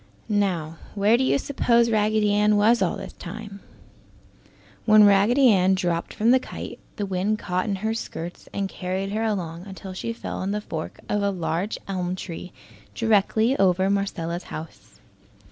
Now, where do you suppose Raggedy Ann was all this time? When Raggedy Ann dropped from the kite, the wind caught in her skirts and carried her along until she fell in the fork of the large elm tree directly over Marcella's house.